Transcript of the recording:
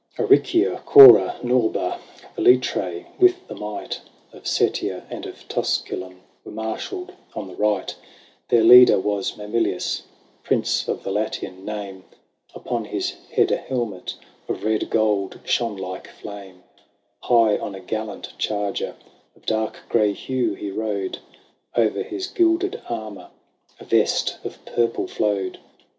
XI. Aricia, Cora, Norba, Yelitrae, with the might Of Setia and of Tusculum, Were marshalled on the right : Their leader was Mamilius, Prince of the Latian name ; Upon his head a helmet Of red gold shone like flame ; High on a gallant charger Of dark grey hue he rode ; Over his gilded armour A vest of purple flowed.